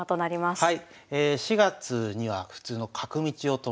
はい。